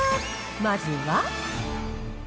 まずは。